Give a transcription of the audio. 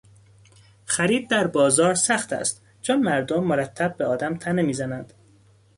خرید در بازار سخت است چون مردم مرتب به آدم تنه میزنند.